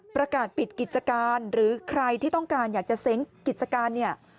ประกาศปิดกิจการหรือใครที่ต้องการอยากจะเซ้งกิจการเนี่ย